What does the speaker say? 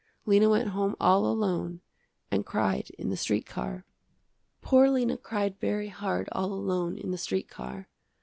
Lena went home all alone, and cried in the street car. Poor Lena cried very hard all alone in the street car.